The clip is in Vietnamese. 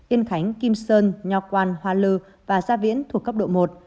yên khánh kim sơn nho quan hoa lư và gia viễn thuộc cấp độ một